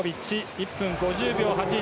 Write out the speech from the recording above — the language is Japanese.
１分５０秒８１。